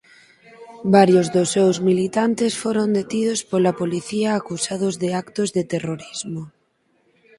Varios dos seus militantes foron detidos pola policía acusados de actos de terrorismo.